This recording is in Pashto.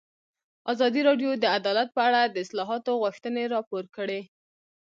ازادي راډیو د عدالت په اړه د اصلاحاتو غوښتنې راپور کړې.